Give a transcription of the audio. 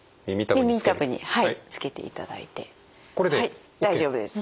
はい大丈夫です。